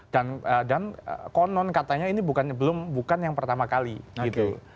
dan konon katanya ini belum bukan yang pertama kali gitu